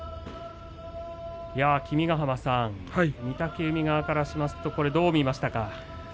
君ヶ濱さん御嶽海側からしますとどう見ましたか。